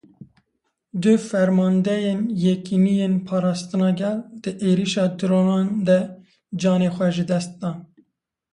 Du fermandeyên Yekîneyên Parastina Gel di êrişa dronan de canê xwe ji dest dan.